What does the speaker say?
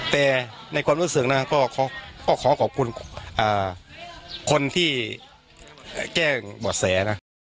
แต่ในความรู้สึกนะก็ขอขอบคุณคนที่แจ้งบ่อแสนะ